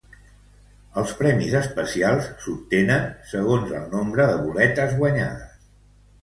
Els premis especials s'obtenen segons el nombre de boletes guanyades.